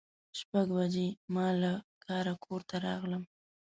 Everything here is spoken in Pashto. شپږ بجې ما له کاره کور ته راغلم.